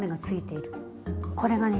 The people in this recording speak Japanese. これがね